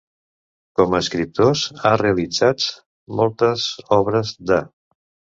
Com a escriptors a realitzats moltes obres de: